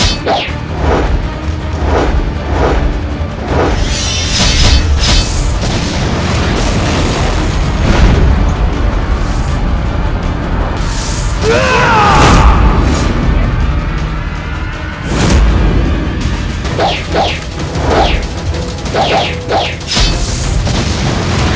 itu akan membuat perkira perkira